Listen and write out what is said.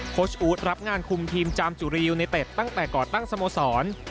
อู๊ดรับงานคุมทีมจามจุรียูเนเต็ดตั้งแต่ก่อตั้งสโมสร